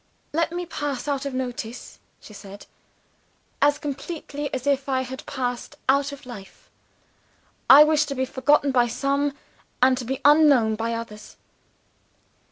'Let me pass out of notice (she said) as completely as if I had passed out of life; I wish to be forgotten by some, and to be unknown by others.